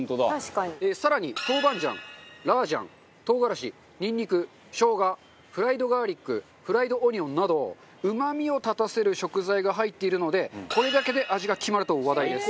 中丸：更に、豆板醤、ラー醤唐辛子、にんにく、しょうがフライドガーリックフライドオニオンなどうまみを立たせる食材が入っているので、これだけで味が決まると話題です。